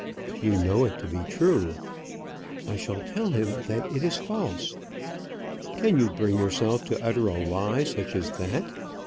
"You know it to be true." "I shall tell him that it is false." "Can you bring yourself to utter a lie such as that?"